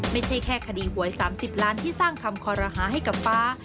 ไม่ใช่แค่คดีหวย๓๐ล้านที่สร้างคำคอรหาให้กับฟ้า